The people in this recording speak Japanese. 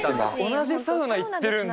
同じサウナ行ってるんだ。